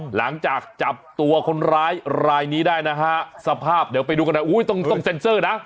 หลังจากจับตัวคนร้ายรายนี้ได้นะฮะสภาพโอ้ตรงเซ็นเซอร์นะ